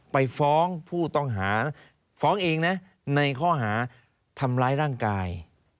ไปฟ้องผู้ต้องหาฟ้องเองนะในข้อหาทำร้ายร่างกาย